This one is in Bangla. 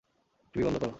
টিভি বন্ধ কর!